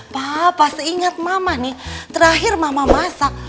papa seingat mama nih terakhir mama masak